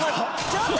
ちょっと！